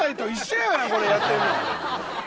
これやってんの。